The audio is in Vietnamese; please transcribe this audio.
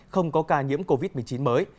không có ca nhiễm covid một mươi chín mới